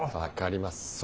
分かります。